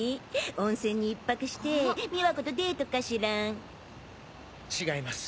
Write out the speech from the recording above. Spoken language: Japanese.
温泉に１泊して美和子とデートかしらん？違います。